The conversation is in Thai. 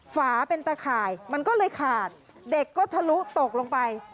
ฝาเป็นตะข่ายมันก็เลยขาดเด็กก็ทะลุตกลงไป